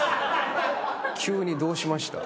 急にどうしました？